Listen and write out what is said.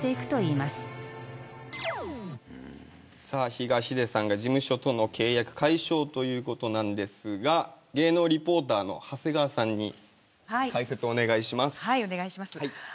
さあ、東出さんが事務所との契約解消ということですが芸能リポーターの長谷川さんに解説をお願いします。